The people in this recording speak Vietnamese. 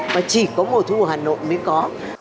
và chỉ có mùa thu hà nội mới có